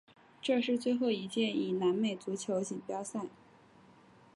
这是最后一届以南美足球锦标赛。